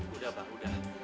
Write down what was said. udah abah udah